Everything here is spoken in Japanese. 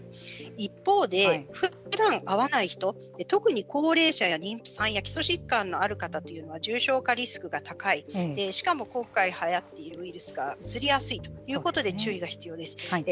一方でふだん会わない人特に高齢者や妊婦さんや基礎疾患のある方というのは重症化リスクが高いしかも今回はやっているウイルスがうつりやすいということで注意が必要です。